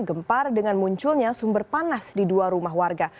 gempar dengan munculnya sumber panas di dua rumah warga